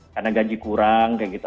karena gaji kurang kayak gitu